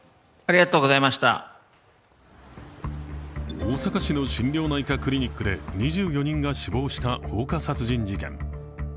大阪市の心療内科クリニックで２４人が死亡した放火殺人事件。